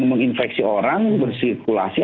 menginfeksi orang bersirkulasi